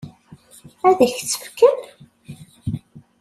Ad k-tt-fken?